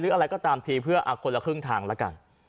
อะไรก็ตามทีเพื่อคนละครึ่งทางแล้วกัน